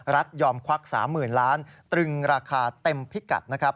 ยอมควัก๓๐๐๐ล้านตรึงราคาเต็มพิกัดนะครับ